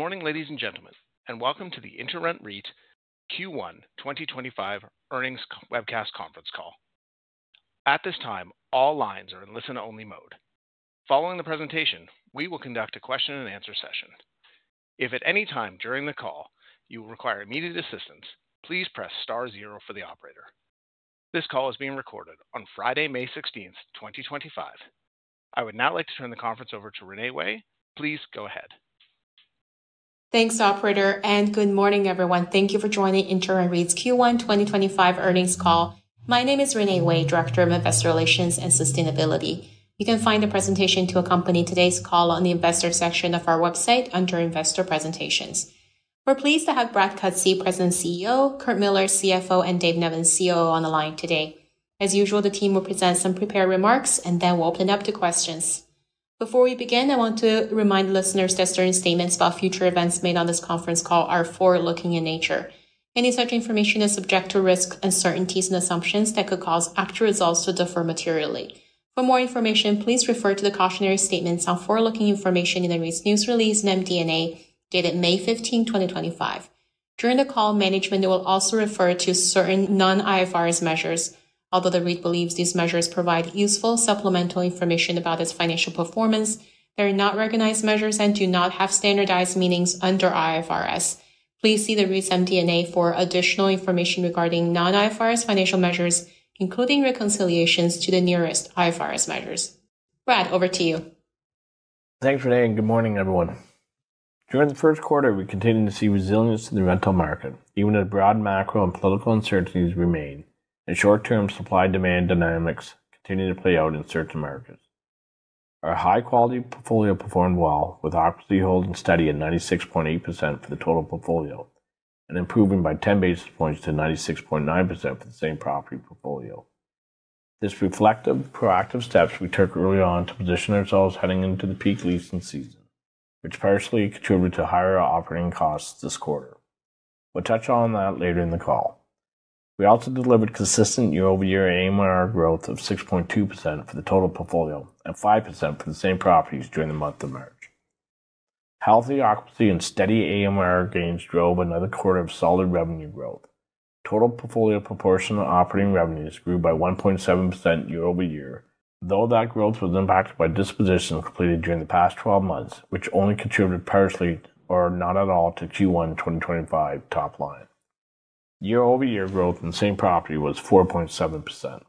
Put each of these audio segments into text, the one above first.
Good morning, ladies and gentlemen, and welcome to the InterRent REIT Q1 2025 Earnings Webcast Conference Call. At this time, all lines are in listen-only mode. Following the presentation, we will conduct a question-and-answer session. If at any time during the call you require immediate assistance, please press star zero for the operator. This call is being recorded on Friday, May 16th, 2025. I would now like to turn the conference over to Renee Wei. Please go ahead. Thanks, Operator, and good morning, everyone. Thank you for joining InterRent REIT's Q1 2025 Earnings Call. My name is Renee Wei, Director of Investor Relations and Sustainability. You can find the presentation to accompany today's call on the Investor section of our website under Investor Presentations. We're pleased to have Brad Cutsey, President and CEO, Curt Millar, CFO, and Dave Nevins, COO, on the line today. As usual, the team will present some prepared remarks, and then we'll open it up to questions. Before we begin, I want to remind listeners that certain statements about future events made on this conference call are forward-looking in nature. Any such information is subject to risk, uncertainties, and assumptions that could cause actual results to differ materially. For more information, please refer to the cautionary statements on forward-looking information in the REIT's News Release and MD&A dated May 15, 2025. During the call, management will also refer to certain non-IFRS Measures. Although the REIT believes these measures provide useful supplemental information about its financial performance, they are not recognized measures and do not have standardized meanings under IFRS. Please see the REIT's MD&A for additional information regarding non-IFRS Financial Measures, including reconciliations to the nearest IFRS Measures. Brad, over to you. Thanks, Renee, and good morning, everyone. During the first quarter, we continue to see resilience to the rental market, even as broad macro and political uncertainties remain, and short-term supply-demand dynamics continue to play out in certain markets. Our high-quality portfolio performed well, with our occupancy holding steady at 96.8% for the total portfolio and improving by 10 basis points to 96.9% for the same property portfolio. This reflected proactive steps we took early on to position ourselves heading into the peak leasing season, which partially contributed to higher operating costs this quarter. We will touch on that later in the call. We also delivered consistent year-over-year AMR growth of 6.2% for the total portfolio and 5% for the same properties during the month of March. Healthy occupancy and steady AMR gains drove another quarter of solid revenue growth. Total portfolio proportional operating revenues grew by 1.7% year-over-year, though that growth was impacted by dispositions completed during the past 12 months, which only contributed partially or not at all to Q1 2025 top line. Year-over-year growth in the same property was 4.7%.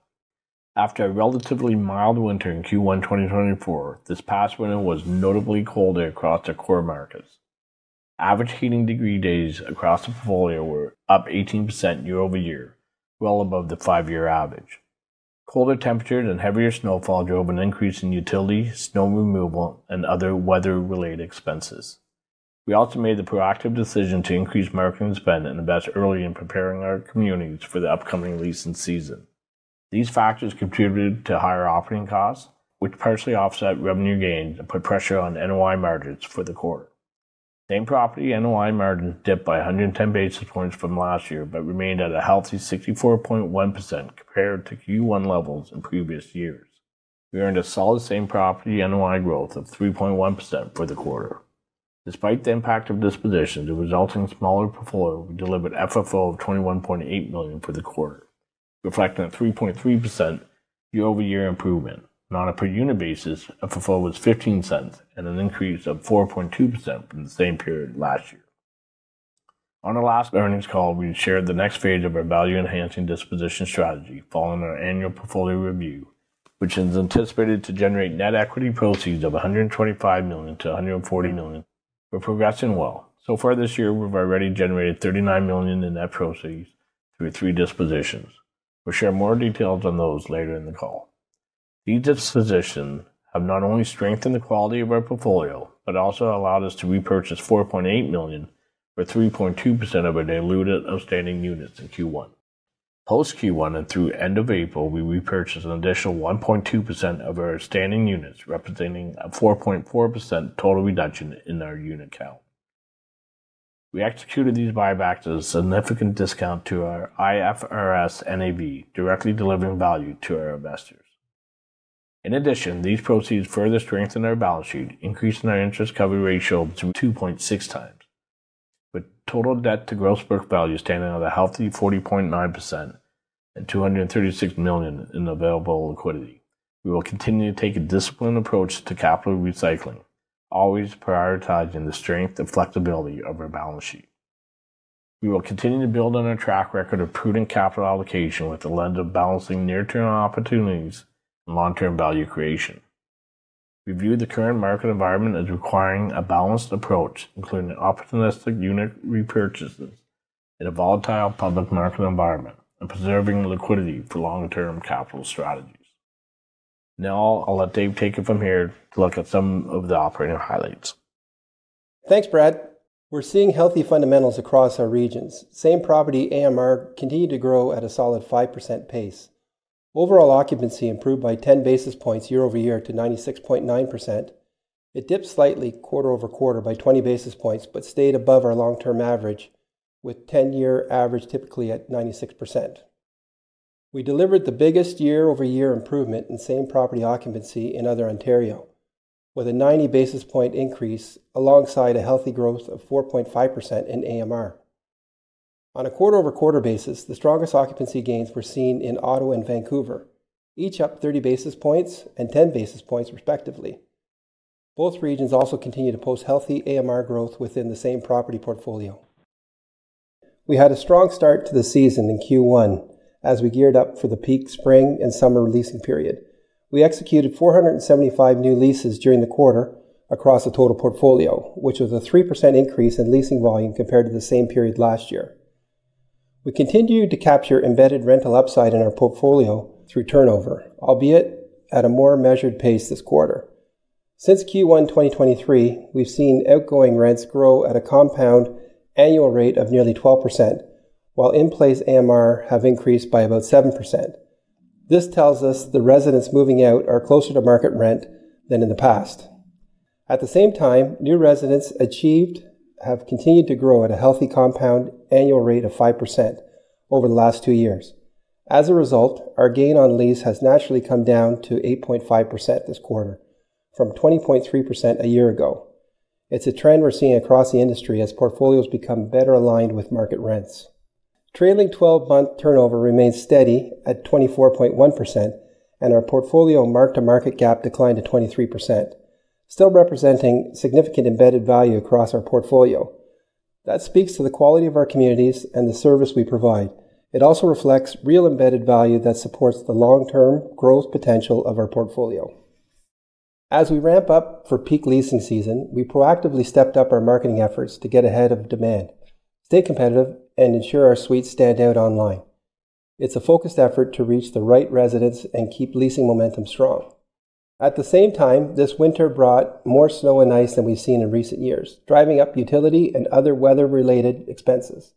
After a relatively mild winter in Q1 2024, this past winter was notably colder across our core markets. Average heating degree days across the portfolio were up 18% year-over-year, well above the five-year average. Colder temperatures and heavier snowfall drove an increase in utility, snow removal, and other weather-related expenses. We also made the proactive decision to increase marketing spend and invest early in preparing our communities for the upcoming leasing season. These factors contributed to higher operating costs, which partially offset revenue gains and put pressure on NOI margins for the quarter. Same property NOI margins dipped by 110 basis points from last year but remained at a healthy 64.1% compared to Q1 levels in previous years. We earned a solid same property NOI growth of 3.1% for the quarter. Despite the impact of dispositions, the resulting smaller portfolio delivered FFO of 21.8 million for the quarter, reflecting a 3.3% year-over-year improvement. On a per unit basis, FFO was 0.15 and an increase of 4.2% from the same period last year. On our last earnings call, we shared the next phase of our value-enhancing disposition strategy following our annual portfolio review, which is anticipated to generate net equity proceeds of 125 million-140 million. We are progressing well. So far this year, we have already generated 39 million in net proceeds through three dispositions. We will share more details on those later in the call. These dispositions have not only strengthened the quality of our portfolio but also allowed us to repurchase 4.8 million or 3.2% of our diluted outstanding units in Q1. Post Q1 and through the end of April, we repurchased an additional 1.2% of our outstanding units, representing a 4.4% total reduction in our unit count. We executed these buybacks at a significant discount to our IFRS NAV, directly delivering value to our investors. In addition, these proceeds further strengthened our balance sheet, increasing our interest coverage ratio to 2.6x. With total debt to gross book value standing at a healthy 40.9% and 236 million in available liquidity, we will continue to take a disciplined approach to capital recycling, always prioritizing the strength and flexibility of our balance sheet. We will continue to build on our track record of prudent capital allocation with the lens of balancing near-term opportunities and long-term value creation. We view the current market environment as requiring a balanced approach, including opportunistic unit repurchases in a volatile public market environment and preserving liquidity for long-term capital strategies. Now, I'll let Dave take it from here to look at some of the operating highlights. Thanks, Brad. We're seeing healthy fundamentals across our regions. Same property AMR continued to grow at a solid 5% pace. Overall occupancy improved by 10 basis points year-over-year to 96.9%. It dipped slightly quarter over quarter by 20 basis points but stayed above our long-term average, with 10-year average typically at 96%. We delivered the biggest year-over-year improvement in same property occupancy in other Ontario, with a 90 basis point increase alongside a healthy growth of 4.5% in AMR. On a quarter-over-quarter basis, the strongest occupancy gains were seen in Ottawa and Vancouver, each up 30 basis points and 10 basis points respectively. Both regions also continued to post healthy AMR growth within the same property portfolio. We had a strong start to the season in Q1 as we geared up for the peak spring and summer leasing period. We executed 475 new leases during the quarter across the total portfolio, which was a 3% increase in leasing volume compared to the same period last year. We continue to capture embedded rental upside in our portfolio through turnover, albeit at a more measured pace this quarter. Since Q1 2023, we've seen outgoing rents grow at a compound annual rate of nearly 12%, while in-place AMR have increased by about 7%. This tells us the residents moving out are closer to market rent than in the past. At the same time, new residents achieved have continued to grow at a healthy compound annual rate of 5% over the last two years. As a result, our gain on lease has naturally come down to 8.5% this quarter, from 20.3% a year ago. It's a trend we're seeing across the industry as portfolios become better aligned with market rents. Trailing 12-month turnover remains steady at 24.1%, and our portfolio marked a market gap decline to 23%, still representing significant embedded value across our portfolio. That speaks to the quality of our communities and the service we provide. It also reflects real embedded value that supports the long-term growth potential of our portfolio. As we ramp up for peak leasing season, we proactively stepped up our marketing efforts to get ahead of demand, stay competitive, and ensure our suites stand out online. It's a focused effort to reach the right residents and keep leasing momentum strong. At the same time, this winter brought more snow and ice than we've seen in recent years, driving up utility and other weather-related expenses.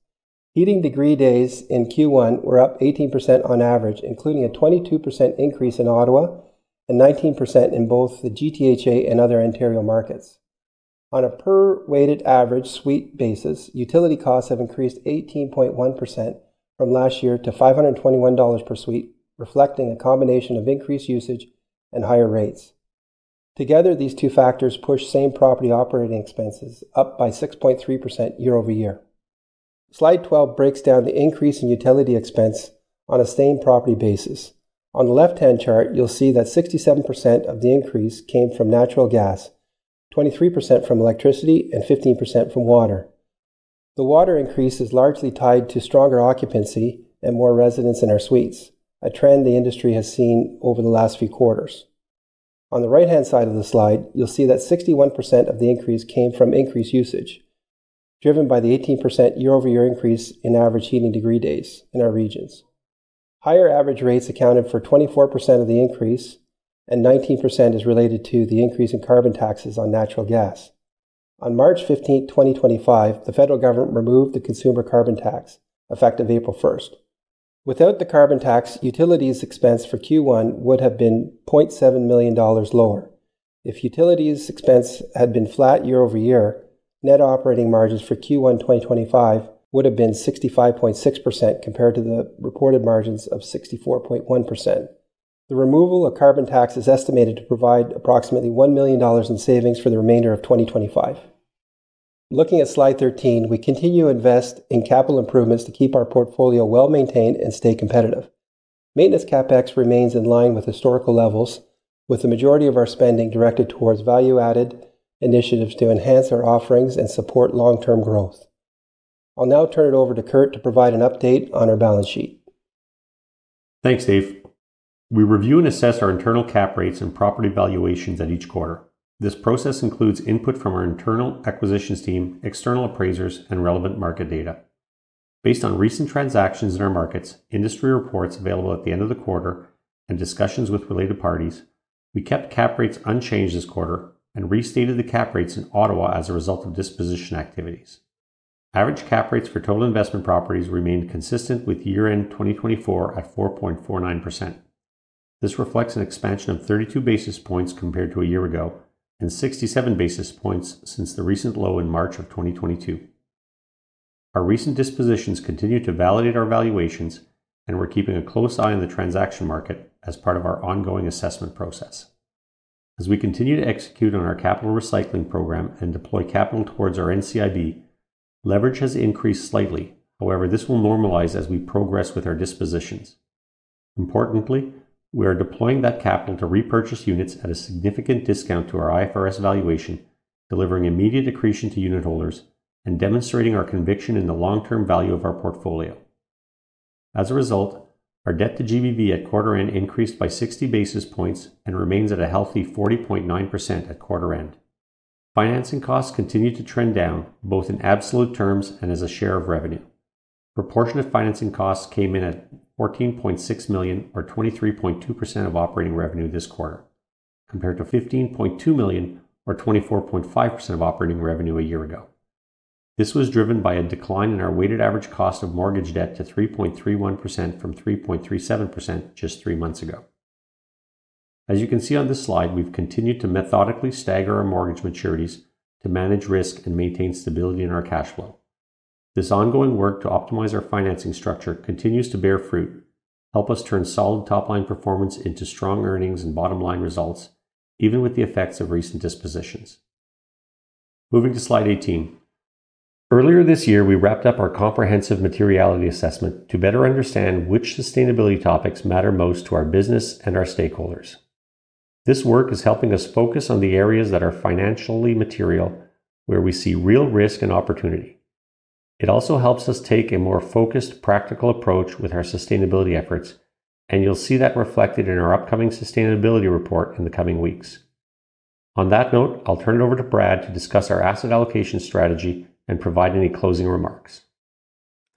Heating degree days in Q1 were up 18% on average, including a 22% increase in Ottawa and 19% in both the GTHA and other Ontario markets. On a per-weighted average suite basis, utility costs have increased 18.1% from last year to 521 dollars per suite, reflecting a combination of increased usage and higher rates. Together, these two factors push same property operating expenses up by 6.3% year-over-year. Slide 12 breaks down the increase in utility expense on a same property basis. On the left-hand chart, you'll see that 67% of the increase came from natural gas, 23% from electricity, and 15% from water. The water increase is largely tied to stronger occupancy and more residents in our suites, a trend the industry has seen over the last few quarters. On the right-hand side of the slide, you'll see that 61% of the increase came from increased usage, driven by the 18% year-over-year increase in average heating degree days in our regions. Higher average rates accounted for 24% of the increase, and 19% is related to the increase in carbon taxes on natural gas. On March 15, 2025, the federal government removed the consumer carbon tax, effective April 1. Without the carbon tax, utilities expense for Q1 would have been 0.7 million dollars lower. If utilities expense had been flat year-over-year, net operating margins for Q1 2025 would have been 65.6% compared to the reported margins of 64.1%. The removal of carbon tax is estimated to provide approximately 1 million dollars in savings for the remainder of 2025. Looking at slide 13, we continue to invest in capital improvements to keep our portfolio well-maintained and stay competitive. Maintenance CapEx remains in line with historical levels, with the majority of our spending directed towards value-added initiatives to enhance our offerings and support long-term growth. I'll now turn it over to Curt to provide an update on our balance sheet. Thanks, Dave. We review and assess our internal cap rates and property valuations at each quarter. This process includes input from our internal acquisitions team, external appraisers, and relevant market data. Based on recent transactions in our markets, industry reports available at the end of the quarter, and discussions with related parties, we kept cap rates unchanged this quarter and restated the cap rates in Ottawa as a result of disposition activities. Average cap rates for total investment properties remained consistent with year-end 2024 at 4.49%. This reflects an expansion of 32 basis points compared to a year ago and 67 basis points since the recent low in March of 2022. Our recent dispositions continue to validate our valuations, and we're keeping a close eye on the transaction market as part of our ongoing assessment process. As we continue to execute on our capital recycling program and deploy capital towards our NCIB, leverage has increased slightly. However, this will normalize as we progress with our dispositions. Importantly, we are deploying that capital to repurchase units at a significant discount to our IFRS valuation, delivering immediate accretion to unit holders and demonstrating our conviction in the long-term value of our portfolio. As a result, our debt to GBV at quarter-end increased by 60 basis points and remains at a healthy 40.9% at quarter-end. Financing costs continue to trend down, both in absolute terms and as a share of revenue. Proportion of financing costs came in at CAD 14.6 million, or 23.2% of operating revenue this quarter, compared to CAD 15.2 million, or 24.5% of operating revenue a year ago. This was driven by a decline in our weighted average cost of mortgage debt to 3.31% from 3.37% just three months ago. As you can see on this slide, we've continued to methodically stagger our mortgage maturities to manage risk and maintain stability in our cash flow. This ongoing work to optimize our financing structure continues to bear fruit, help us turn solid top-line performance into strong earnings and bottom-line results, even with the effects of recent dispositions. Moving to slide 18. Earlier this year, we wrapped up our comprehensive materiality assessment to better understand which sustainability topics matter most to our business and our stakeholders. This work is helping us focus on the areas that are financially material, where we see real risk and opportunity. It also helps us take a more focused, practical approach with our sustainability efforts, and you'll see that reflected in our upcoming sustainability report in the coming weeks. On that note, I'll turn it over to Brad to discuss our asset allocation strategy and provide any closing remarks.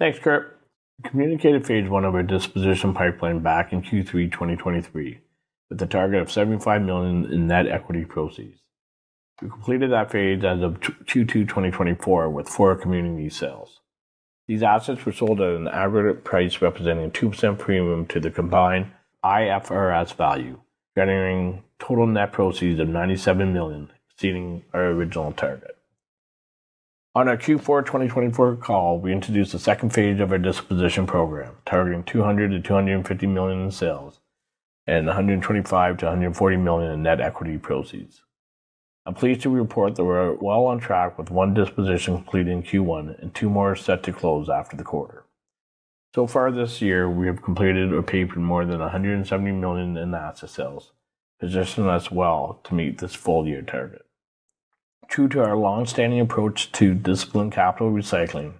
Thanks, Curt. We communicated phase one of our disposition pipeline back in Q3 2023 with a target of 75 million in net equity proceeds. We completed that phase as of Q2 2024 with four community sales. These assets were sold at an average price representing a 2% premium to the combined IFRS value, generating total net proceeds of 97 million, exceeding our original target. On our Q4 2024 call, we introduced the second phase of our disposition program, targeting 200 Million - 250 million in sales and 125 million - 140 million in net equity proceeds. I'm pleased to report that we're well on track with one disposition complete in Q1 and two more set to close after the quarter. So far this year, we have completed a paper in more than 170 million in asset sales, positioning us well to meet this full-year target. True to our long-standing approach to disciplined capital recycling,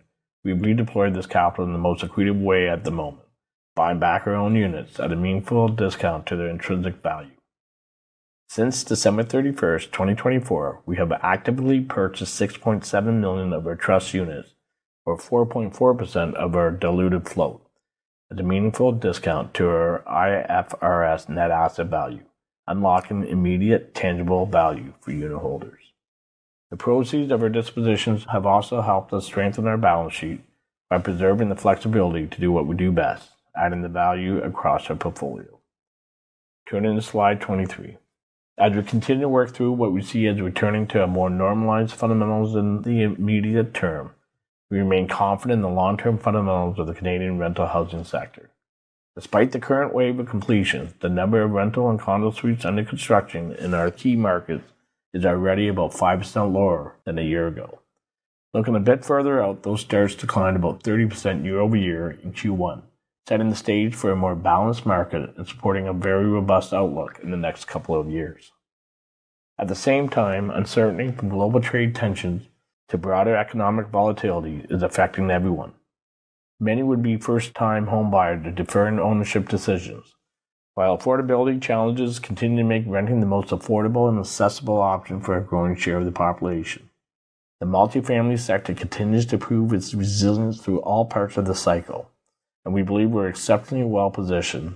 we've redeployed this capital in the most equitable way at the moment, buying back our own units at a meaningful discount to their intrinsic value. Since December 31, 2024, we have actively purchased 6.7 million of our trust units, or 4.4% of our diluted float, at a meaningful discount to our IFRS net asset value, unlocking immediate tangible value for unit holders. The proceeds of our dispositions have also helped us strengthen our balance sheet by preserving the flexibility to do what we do best, adding value across our portfolio. Turning to slide 23. As we continue to work through what we see as returning to more normalized fundamentals in the immediate term, we remain confident in the long-term fundamentals of the Canadian rental housing sector. Despite the current wave of completion, the number of rental and condo suites under construction in our key markets is already about 5% lower than a year ago. Looking a bit further out, those starts declined about 30% year-over-year in Q1, setting the stage for a more balanced market and supporting a very robust outlook in the next couple of years. At the same time, uncertainty from global trade tensions to broader economic volatility is affecting everyone. Many would-be first-time home buyers defer ownership decisions, while affordability challenges continue to make renting the most affordable and accessible option for a growing share of the population. The multifamily sector continues to prove its resilience through all parts of the cycle, and we believe we're exceptionally well positioned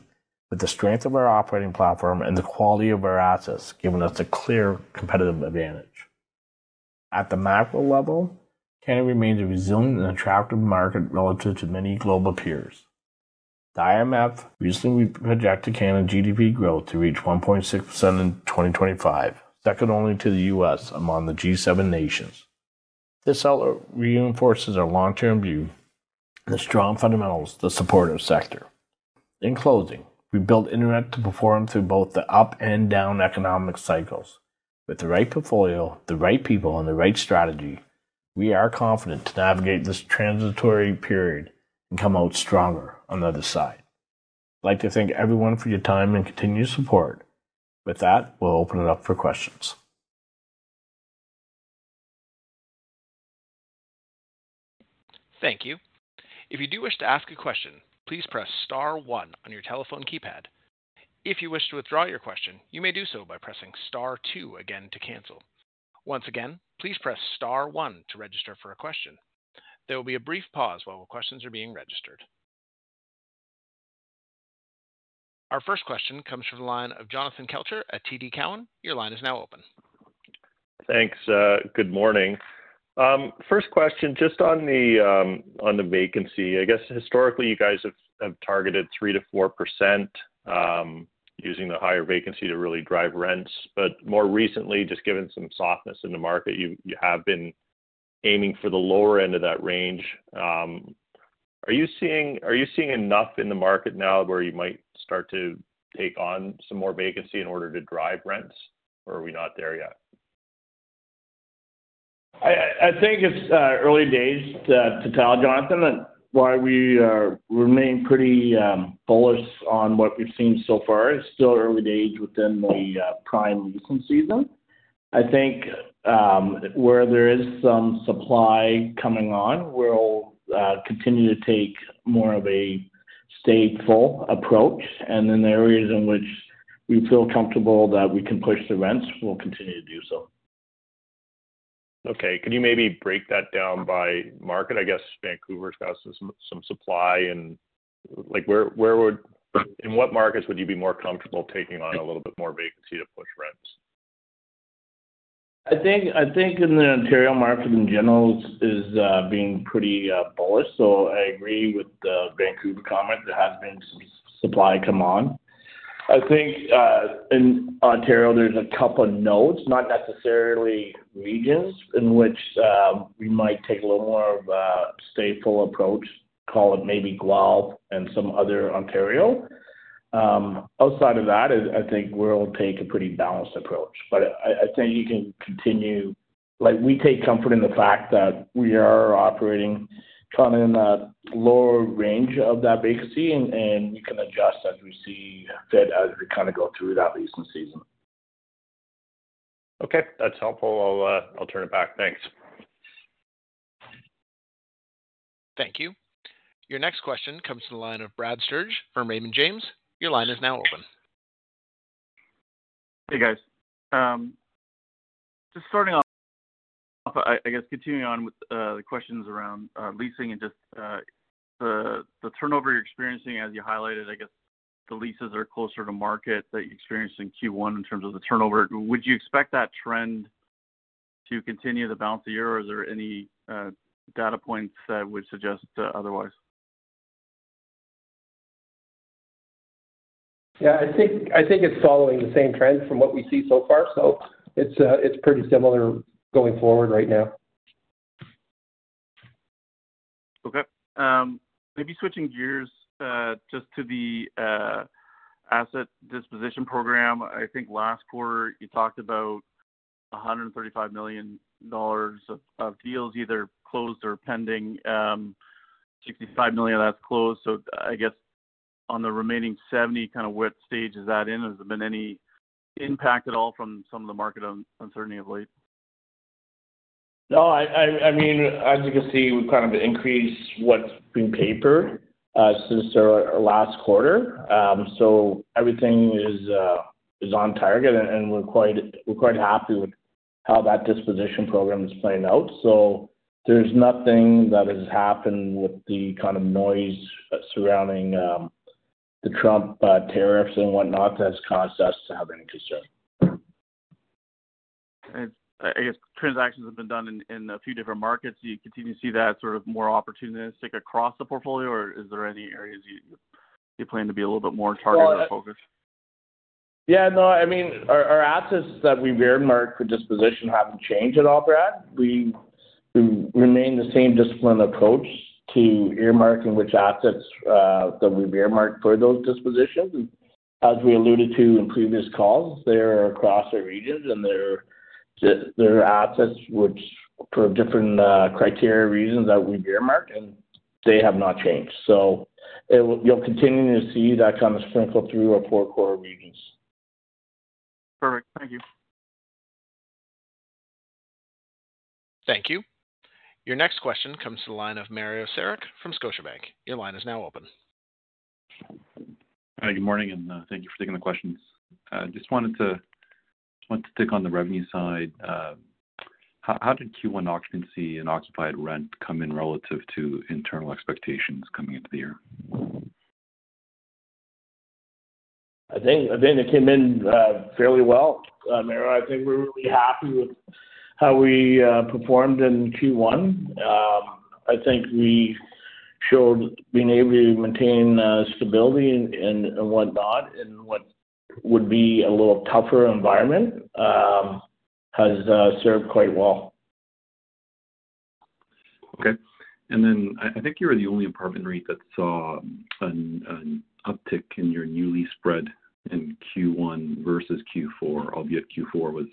with the strength of our operating platform and the quality of our assets giving us a clear competitive advantage. At the macro level, Canada remains a resilient and attractive market relative to many global peers. The IMF recently projected Canada's GDP growth to reach 1.67% in 2025, second only to the U.S. among the G7 nations. This reinforces our long-term view and the strong fundamentals to support our sector. In closing, we build InterRent to perform through both the up and down economic cycles. With the right portfolio, the right people, and the right strategy, we are confident to navigate this transitory period and come out stronger on the other side. I'd like to thank everyone for your time and continued support. With that, we'll open it up for questions. Thank you. If you do wish to ask a question, please press star one on your telephone keypad. If you wish to withdraw your question, you may do so by pressing star two again to cancel. Once again, please press star one to register for a question. There will be a brief pause while questions are being registered. Our first question comes from the line of Jonathan Kelcher at TD Cowen. Your line is now open. Thanks. Good morning. First question, just on the vacancy, I guess historically you guys have targeted 3% - 4% using the higher vacancy to really drive rents, but more recently, just given some softness in the market, you have been aiming for the lower end of that range. Are you seeing enough in the market now where you might start to take on some more vacancy in order to drive rents, or are we not there yet? I think it's early days to tell, Jonathan, and while we remain pretty bullish on what we've seen so far, it's still early days within the prime leasing season. I think where there is some supply coming on, we'll continue to take more of a stay-full approach, and in the areas in which we feel comfortable that we can push the rents, we'll continue to do so. Okay, could you maybe break that down by market? I guess Vancouver's got some supply. In what markets would you be more comfortable taking on a little bit more vacancy to push rents? I think in the Ontario market in general is being pretty bullish, so I agree with the Vancouver comment. There has been some supply come on. I think in Ontario there's a couple of nodes, not necessarily regions, in which we might take a little more of a stay-full approach, call it maybe Guelph and some other Ontario. Outside of that, I think we'll take a pretty balanced approach, but I think you can continue. We take comfort in the fact that we are operating kind of in a lower range of that vacancy, and we can adjust as we see fit as we kind of go through that leasing season. Okay. That's helpful. I'll turn it back. Thanks. Thank you. Your next question comes from the line of Brad Sturges from Raymond James. Your line is now open. Hey, guys. Just starting off, I guess continuing on with the questions around leasing and just the turnover you're experiencing, as you highlighted, I guess the leases are closer to market that you're experiencing Q1 in terms of the turnover. Would you expect that trend to continue the balance of year, or are there any data points that would suggest otherwise? Yeah, I think it's following the same trend from what we see so far, so it's pretty similar going forward right now. Okay. Maybe switching gears just to the asset disposition program. I think last quarter you talked about 135 million dollars of deals either closed or pending 65 million of that's closed. So I guess on the remaining 70 million, kind of what stage is that in? Has there been any impact at all from some of the market uncertainty of late? No, I mean, as you can see, we've kind of increased what's been paper since our last quarter. Everything is on target, and we're quite happy with how that disposition program is playing out. There's nothing that has happened with the kind of noise surrounding the Trump tariffs and whatnot that has caused us to have any concern. I guess transactions have been done in a few different markets. Do you continue to see that sort of more opportunistic across the portfolio, or is there any areas you plan to be a little bit more targeted or focused? Yeah, no, I mean, our assets that we've earmarked for disposition haven't changed at all, Brad. We remain the same disciplined approach to earmarking which assets that we've earmarked for those dispositions. As we alluded to in previous calls, they're across our regions, and they're assets which, for different criteria reasons that we've earmarked, they have not changed. You will continue to see that kind of sprinkle through our four-core regions. Perfect. Thank you. Thank you. Your next question comes to the line of Mario Saric from Scotiabank. Your line is now open. Hi, good morning, and thank you for taking the questions. Just wanted to tick on the revenue side. How did Q1 occupancy and occupied rent come in relative to internal expectations coming into the year? I think it came in fairly well. Mario, I think we're really happy with how we performed in Q1. I think we showed being able to maintain stability and whatnot in what would be a little tougher environment has served quite well. Okay. I think you were the only apartment REIT that saw an uptick in your newly spread in Q1 versus Q4, albeit Q4 was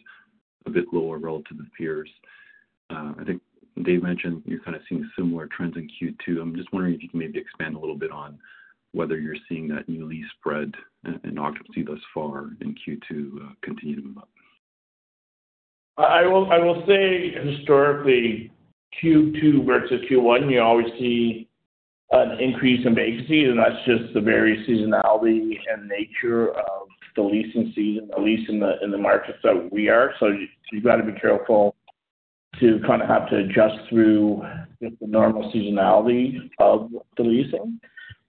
a bit lower relative to the peers. I think Dave mentioned you're kind of seeing similar trends in Q2. I'm just wondering if you can maybe expand a little bit on whether you're seeing that newly spread in occupancy thus far in Q2 continue to move up. I will say historically, Q2 versus Q1, you always see an increase in vacancy, and that's just the very seasonality and nature of the leasing season, at least in the markets that we are. You have to be careful to kind of have to adjust through the normal seasonality of the leasing.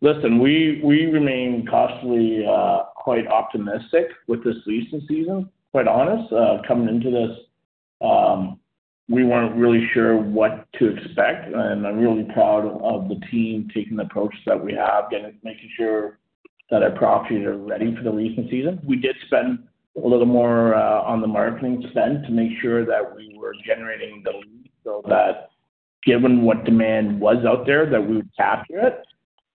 Listen, we remain cautiously quite optimistic with this leasing season, quite honest. Coming into this, we weren't really sure what to expect, and I'm really proud of the team taking the approach that we have, making sure that our properties are ready for the leasing season. We did spend a little more on the marketing spend to make sure that we were generating the leads so that given what demand was out there, that we would capture it.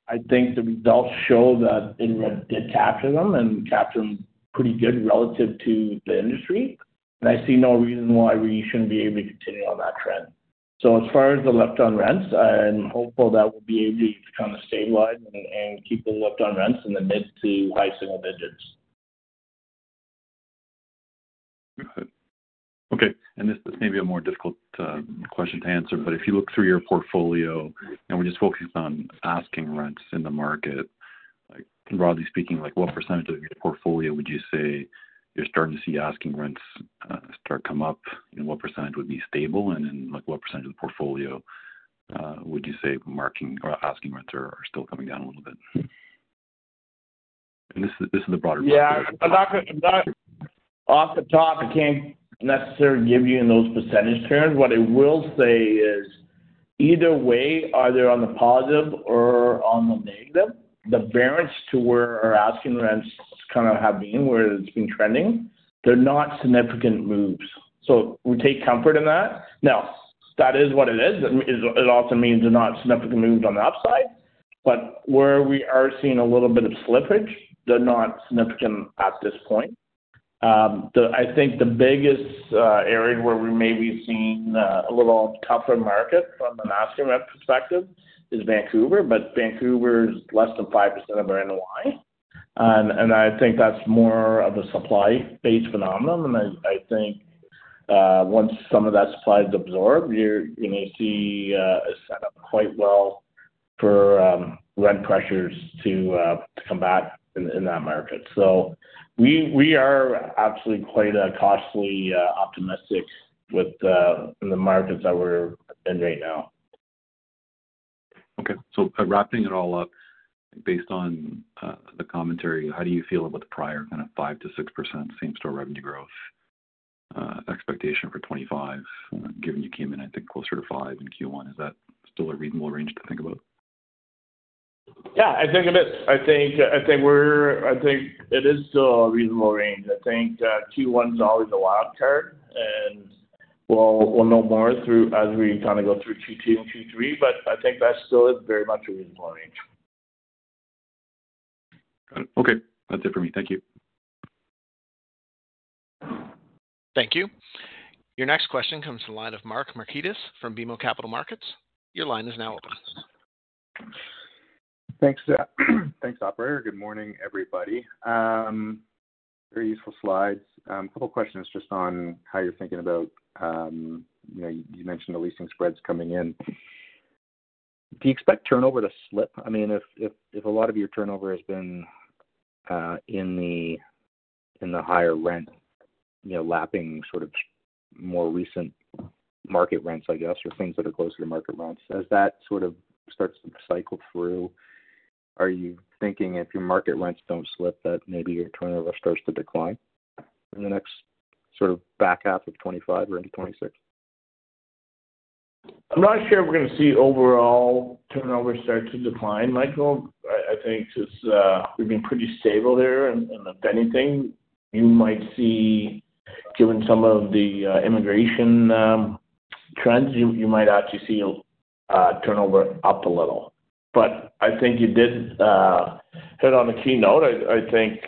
I think the results show that it did capture them and capture them pretty good relative to the industry, and I see no reason why we shouldn't be able to continue on that trend. As far as the left-on rents, I'm hopeful that we'll be able to kind of stabilize and keep the left-on rents in the mid to high single digits. Okay. This is maybe a more difficult question to answer, but if you look through your portfolio, and we're just focused on asking rents in the market, broadly speaking, what percentage of your portfolio would you say you're starting to see asking rents start to come up? What percent would be stable, and then what percent of the portfolio would you say asking rents are still coming down a little bit? This is the broader question. Yeah, I'm not going to, off the top, I can't necessarily give you in those percentage terms. What I will say is either way, either on the positive or on the negative, the variance to where our asking rents kind of have been, where it's been trending, they're not significant moves. We take comfort in that. Now, that is what it is. It also means they're not significant moves on the upside, but where we are seeing a little bit of slippage, they're not significant at this point. I think the biggest area where we may be seeing a little tougher market from an asking rent perspective is Vancouver, but Vancouver is less than 5% of our NOI. I think that's more of a supply-based phenomenon, and I think once some of that supply is absorbed, you're going to see a setup quite well for rent pressures to come back in that market. We are absolutely quite cautiously optimistic with the markets that we're in right now. Okay. Wrapping it all up, based on the commentary, how do you feel about the prior kind of 5%-6% same-store revenue growth expectation for 2025, given you came in, I think, closer to 5% in Q1? Is that still a reasonable range to think about? Yeah, I think it is. I think it is still a reasonable range. I think Q1 is always a wild card, and we'll know more as we kind of go through Q2 and Q3, but I think that still is very much a reasonable range. Okay. That's it for me. Thank you. Thank you. Your next question comes to the line of Mark Markidis from BMO Capital Markets. Your line is now open. Thanks, operator. Good morning, everybody. Very useful slides. A couple of questions just on how you're thinking about, you mentioned the leasing spreads coming in. Do you expect turnover to slip? I mean, if a lot of your turnover has been in the higher rent, lapping sort of more recent market rents, I guess, or things that are closer to market rents, as that sort of starts to cycle through, are you thinking if your market rents do not slip, that maybe your turnover starts to decline in the next sort of back half of 2025 or into 2026? I'm not sure if we're going to see overall turnover start to decline, Michael. I think we've been pretty stable there, and if anything, you might see, given some of the immigration trends, you might actually see turnover up a little. But i think you did hit on a key note. I think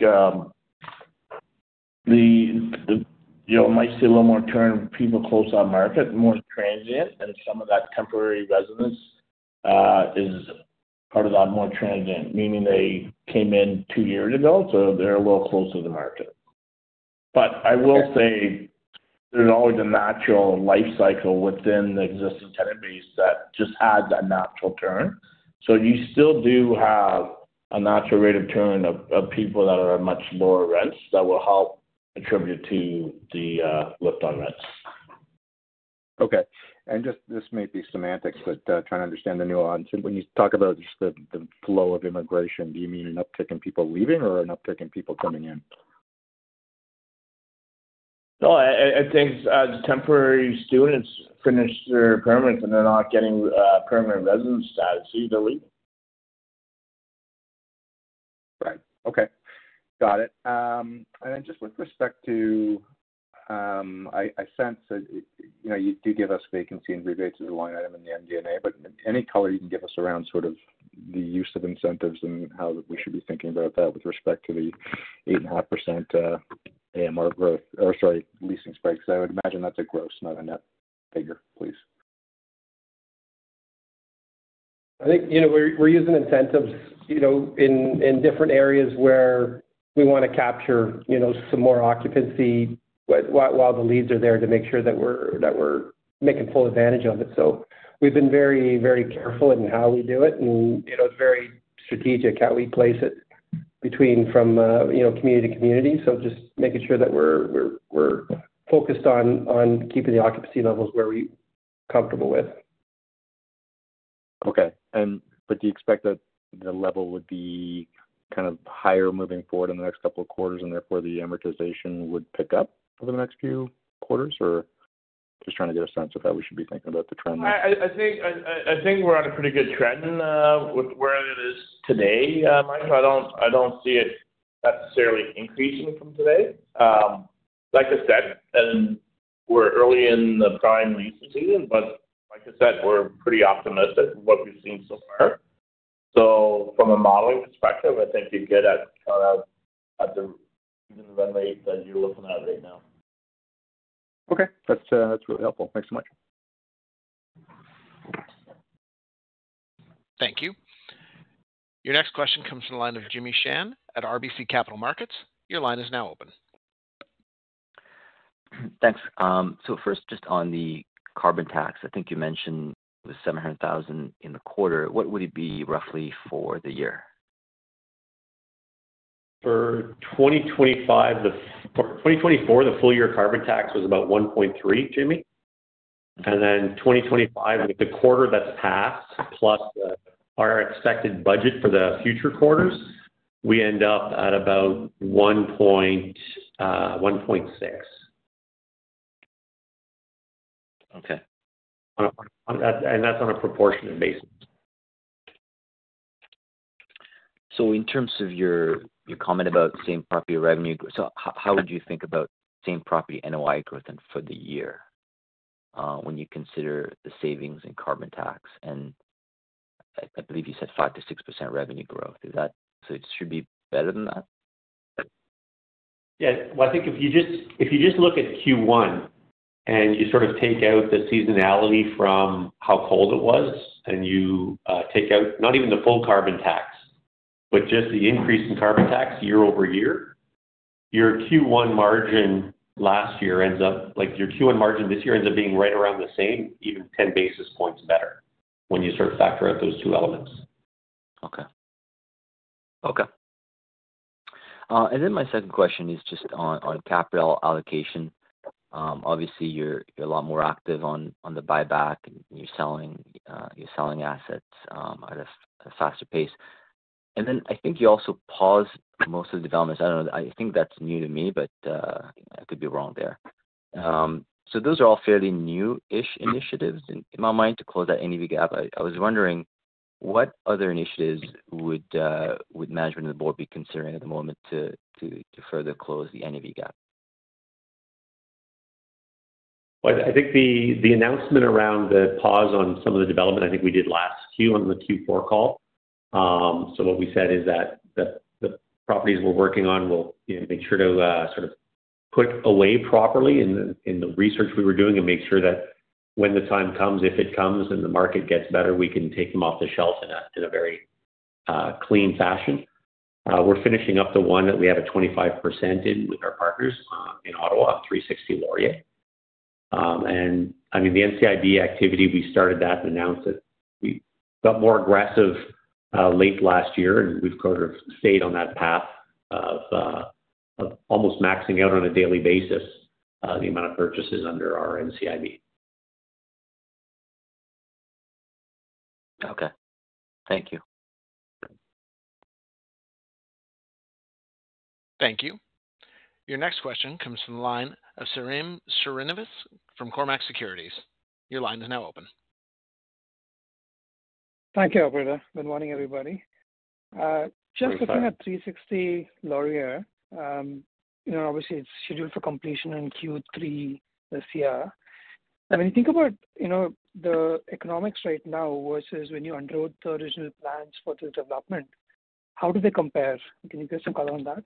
you might see a little more turn of people close that market, more transient, and some of that temporary residence is part of that more transient, meaning they came in two years ago, so they're a little closer to the market. But i will say there's always a natural life cycle within the existing tenant base that just had that natural turn. You still do have a natural rate of turn of people that are at much lower rents that will help contribute to the lift on rents. Okay. This may be semantics, but trying to understand the nuance. When you talk about just the flow of immigration, do you mean an uptick in people leaving or an uptick in people coming in? No, I think as temporary students finish their permits, and they're not getting permanent residence status, they're leaving. Right. Okay. Got it. Just with respect to, I sense that you do give us vacancy and rebates as a line item in the MD&A, but any color you can give us around sort of the use of incentives and how we should be thinking about that with respect to the 8.5% AMR growth or, sorry, leasing spikes. I would imagine that's a gross, not a net figure, please? I think we're using incentives in different areas where we want to capture some more occupancy while the leads are there to make sure that we're making full advantage of it. We've been very, very careful in how we do it, and it's very strategic how we place it from community to community. Just making sure that we're focused on keeping the occupancy levels where we're comfortable with. Okay. Do you expect that the level would be kind of higher moving forward in the next couple of quarters, and therefore the amortization would pick up? Over the next few quarters? I am just trying to get a sense of how we should be thinking about the trend. I think we're on a pretty good trend with where it is today, Michael. I don't see it necessarily increasing from today. Like I said, we're early in the prime leasing season, but like I said, we're pretty optimistic with what we've seen so far. From a modeling perspective, I think you get at kind of the rate that you're looking at right now. Okay. That's really helpful. Thanks so much. Thank you. Your next question comes from the line of Jimmy Shan at RBC Capital Markets. Your line is now open. Thanks. First, just on the carbon tax, I think you mentioned it was 700,000 in the quarter. What would it be roughly for the year? For 2025, for 2024, the full-year carbon tax was about 1.3 million, Jimmy. For 2025, with the quarter that has passed plus our expected budget for the future quarters, we end up at about 1.6 million. Okay That is on a proportionate basis. In terms of your comment about same property revenue, how would you think about same property NOI growth for the year when you consider the savings in carbon tax? I believe you said 5%-6% revenue growth. It should be better than that? Yeah. I think if you just look at Q1 and you sort of take out the seasonality from how cold it was, and you take out not even the full carbon tax, but just the increase in carbon tax year-over-year, your Q1 margin last year ends up, your Q1 margin this year ends up being right around the same, even 10 basis points better when you sort of factor out those two elements. Okay. Okay. My second question is just on capital allocation. Obviously, you're a lot more active on the buyback, and you're selling assets at a faster pace. I think you also paused most of the developments. I don't know. I think that's new to me, but I could be wrong there. Those are all fairly new-ish initiatives. In my mind, to close that NAV gap, I was wondering what other initiatives would management and the board be considering at the moment to further close the NAV gap? I think the announcement around the pause on some of the development, I think we did last Q on the Q4 call. What we said is that the properties we're working on, we'll make sure to sort of put away properly in the research we were doing and make sure that when the time comes, if it comes, and the market gets better, we can take them off the shelf in a very clean fashion. We're finishing up the one that we have a 25% in with our partners in Ottawa at 360 Laurier. I mean, the NCIB activity, we started that and announced that we got more aggressive late last year, and we've sort of stayed on that path of almost maxing out on a daily basis the amount of purchases under our NCIB. Okay. Thank you. Thank you. Your next question comes from the line of Sairam Srinivas from Cormark Securities. Your line is now open. Thank you, Alberto. Good morning, everybody. Just looking at 360 Laurier, obviously, it's scheduled for completion in Q3 this year. I mean, think about the economics right now versus when you underwrote the original plans for this development. How do they compare? Can you give some color on that?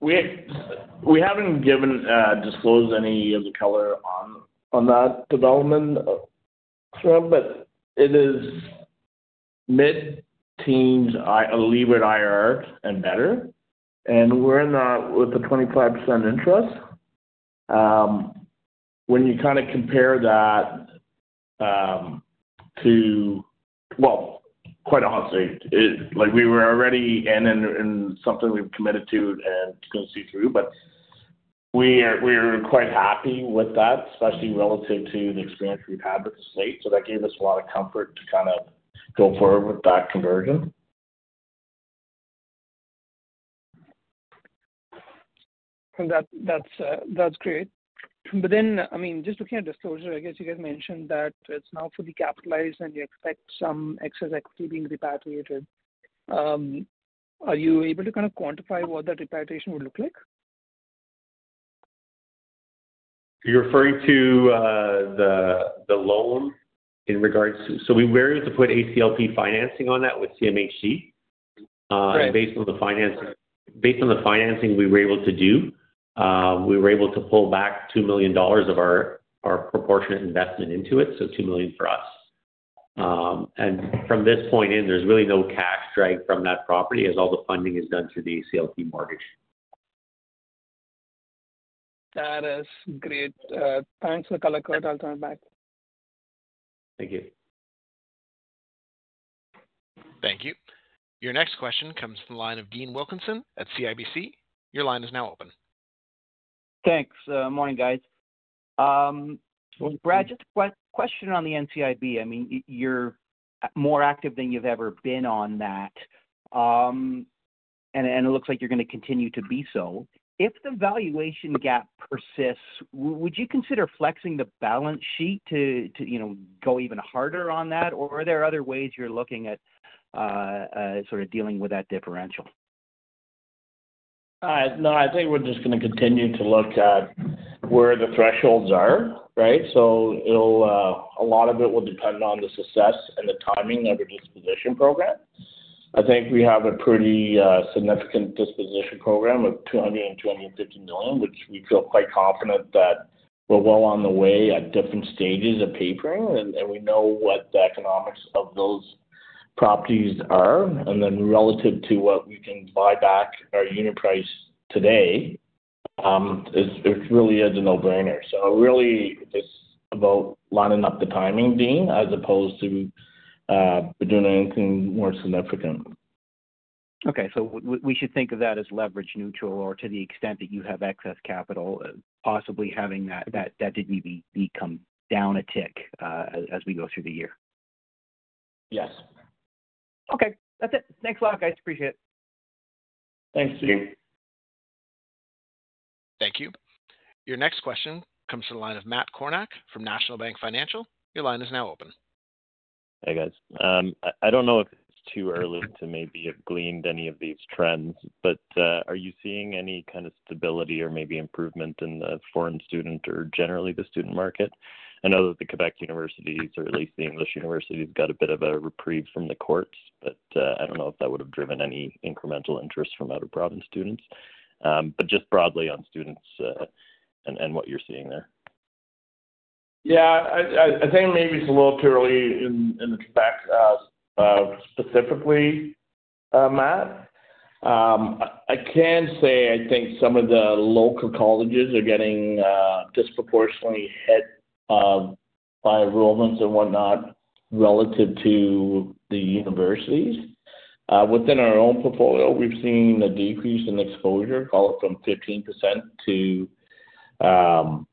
We haven't given, disclosed any of the color on that development, but it is mid-teens, I believe, at IR and better. We are in that with the 25% interest. When you kind of compare that to, quite honestly, we were already in something we have committed to and going to see through, but we were quite happy with that, especially relative to the experience we have had with the state. That gave us a lot of comfort to kind of go forward with that conversion. That's great. I mean, just looking at disclosure, I guess you guys mentioned that it's now fully capitalized and you expect some excess equity being repatriated. Are you able to kind of quantify what that repatriation would look like? You're referring to the loan in regards to, so we were able to put ACLP financing on that with CMHC. Based on the financing we were able to do, we were able to pull back 2 million dollars of our proportionate investment into it, so 2 million for us. From this point in, there's really no cash drag from that property as all the funding is done through the ACLP mortgage. That is great. Thanks for taking my call. I'll turn it back. Thank you. Thank you. Your next question comes from the line of Dean Wilkinson at CIBC. Your line is now open. Thanks. Morning, guys. Brad, just had a question on the NCIB. I mean, you're more active than you've ever been on that, and it looks like you're going to continue to be so. If the valuation gap persists, would you consider flexing the balance sheet to go even harder on that, or are there other ways you're looking at sort of dealing with that differential? No, I think we're just going to continue to look at where the thresholds are, right? A lot of it will depend on the success and the timing of a disposition program. I think we have a pretty significant disposition program of 200 million-250 million, which we feel quite confident that we're well on the way at different stages of papering, and we know what the economics of those properties are. Then relative to what we can buy back our unit price today, it really is a no-brainer. Really, it's about lining up the timing, Dean, as opposed to doing anything more significant. Okay. So we should think of that as leverage neutral or to the extent that you have excess capital, possibly having that income down a tick as we go through the year? Yes. Okay. That's it. Thanks, Brad. I appreciate it. Thanks, Jimmy. Thank you. Your next question comes from the line of Matt Kornack from National Bank Financial. Your line is now open. Hey, guys. I don't know if it's too early to maybe have gleaned any of these trends, but are you seeing any kind of stability or maybe improvement in the foreign student or generally the student market? I know that the Quebec universities, or at least the English universities, got a bit of a reprieve from the courts. I don't know if that would have driven any incremental interest from out-of-broad students. Just broadly on students and what you're seeing there? Yeah. I think maybe it's a little too early in the Quebec specifically, Matt. I can say I think some of the local colleges are getting disproportionately hit by enrollments and whatnot relative to the universities. Within our own portfolio, we've seen a decrease in exposure, call it from 15% to closer to 12%.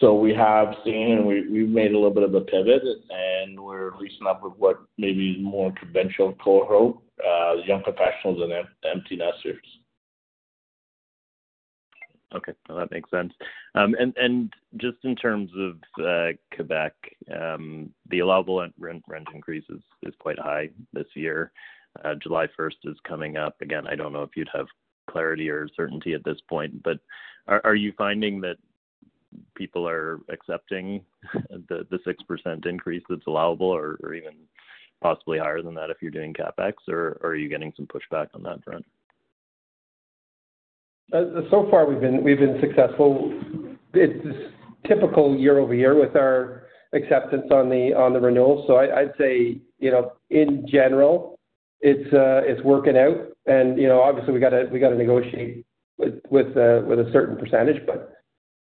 So we have seen, and we've made a little bit of a pivot, and we're reasonably with what maybe is more conventional cohort, young professionals and empty nesters. Okay. That makes sense. In terms of Quebec, the allowable rent increase is quite high this year. July 1, is coming up. Again, I do not know if you would have clarity or certainty at this point, but are you finding that people are accepting the 6% increase that is allowable or even possibly higher than that if you are doing CapEx, or are you getting some pushback on that front? So far, we've been successful. It's typical year over year with our acceptance on the renewal. I'd say, in general, it's working out. Obviously, we got to negotiate with a certain percentage, but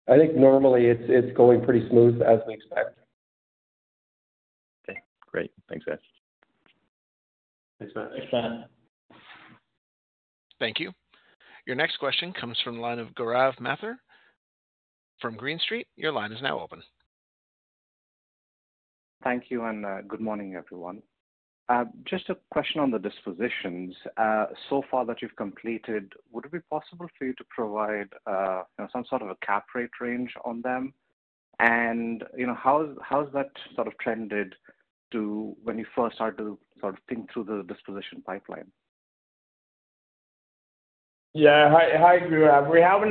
I think normally it's going pretty smooth as we expect. Okay. Great. Thanks, guys. Thanks, Matt. Thank you. Your next question comes from the line of Gaurav Mathur from Green Street. Your line is now open. Thank you, and good morning, everyone. Just a question on the dispositions. So far that you've completed, would it be possible for you to provide some sort of a cap rate range on them? How has that sort of trended when you first started to sort of think through the disposition pipeline? Yeah. I agree.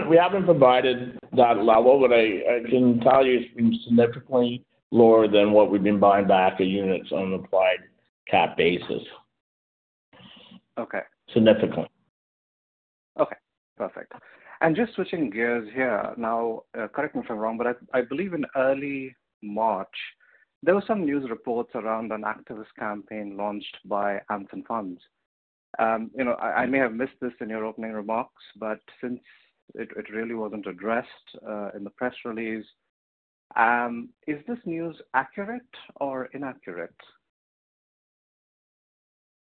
We haven't provided that level, but I can tell you it's been significantly lower than what we've been buying back of units on an applied cap basis. Significantly. Okay. Perfect. Just switching gears here, now, correct me if I'm wrong, but I believe in early March, there were some news reports around an activist campaign launched by Anthem Funds. I may have missed this in your opening remarks, but since it really was not addressed in the press release, is this news accurate or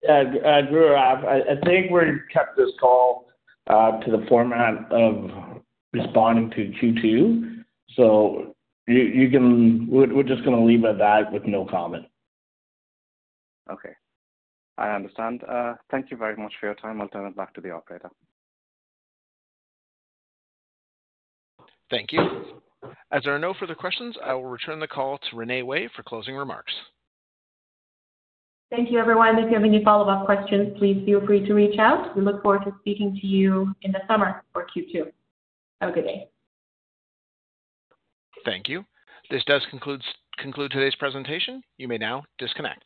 inaccurate? Yeah. I agree, Ralph. I think we kept this call to the format of responding to Q2. So we're just going to leave it at that with no comment. Okay. I understand. Thank you very much for your time. I'll turn it back to the operator. Thank you. As there are no further questions, I will return the call to Renee Wei for closing remarks. Thank you, everyone. If you have any follow-up questions, please feel free to reach out. We look forward to speaking to you in the summer for Q2. Have a good day. Thank you. This does conclude today's presentation. You may now disconnect.